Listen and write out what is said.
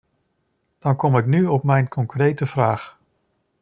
Dan kom ik nu op mijn concrete vraag.